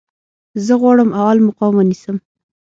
زه غواړم اول مقام ونیسم